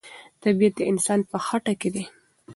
طبیعت د انسان په خټه کې دی.